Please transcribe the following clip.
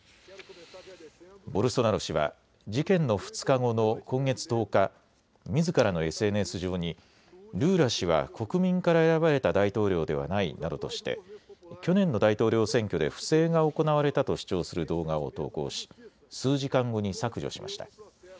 ボルソナロ氏は事件の２日後の今月１０日、みずからのＳＮＳ上にルーラ氏は国民から選ばれた大統領ではないなどとして去年の大統領選挙で不正が行われたと主張する動画を投稿し、数時間後に削除しました。